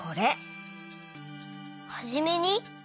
「はじめに」？